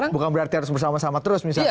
bukan berarti harus bersama sama terus misalnya